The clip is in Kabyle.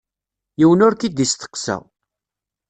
Yiwen ur k-id-isteqsa.